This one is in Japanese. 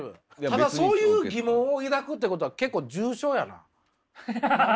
ただそういう疑問を抱くってことはハハハハハ。